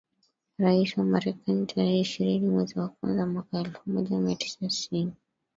rais wa Marekani tarehe ishirini mwezi wa kwanza mwaka elfu moja mia tisa tisini